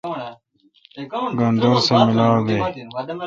گھن دور سہ ملاوبیلہ؟